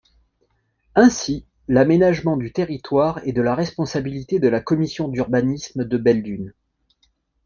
Ainsi, l'aménagement du territoire est de la responsabilité de la Commission d'urbanisme de Belledune.